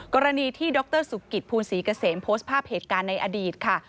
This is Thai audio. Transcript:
กรณีที่ดรสุกิตภูลศรีเกษมโพสต์ภาพเหตุการณ์ในอดีตค่ะ